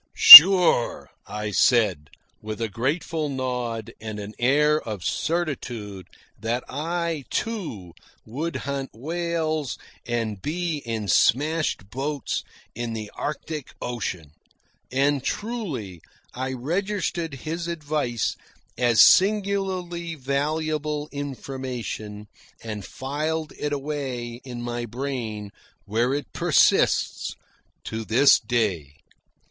"Sure," I said, with a grateful nod and an air of certitude that I, too, would hunt whales and be in smashed boats in the Arctic Ocean. And, truly, I registered his advice as singularly valuable information, and filed it away in my brain, where it persists to this day.